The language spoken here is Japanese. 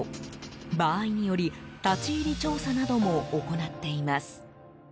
場合により、立ち入り調査なども行っています。